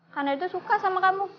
karena dia suka sama kamu